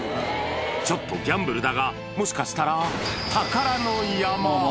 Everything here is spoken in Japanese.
ちょっとギャンブルだが、もしかしたら、宝の山？